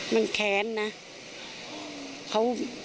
มันแค้นนะ